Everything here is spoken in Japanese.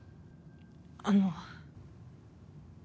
あの。